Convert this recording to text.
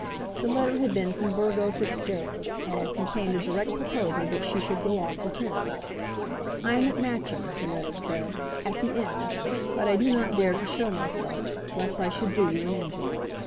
The letter had been from Burgo Fitzgerald, and had contained a direct proposal that she should go off with him. "I am at Matching," the letter said, "at the Inn; but I do not dare to show myself, lest I should do you an injury.